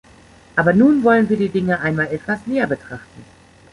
Aber nun wollen wir die Dinge einmal etwas näher betrachten.